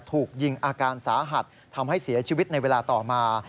ถูกยิงอาการสาหัสทำให้เสียชีวิตในเวลาต่อมา